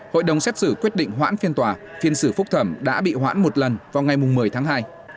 hội đồng xét xử quyết định hoãn phiên tòa phiên xử phúc thẩm đã bị hoãn một lần vào ngày một mươi tháng hai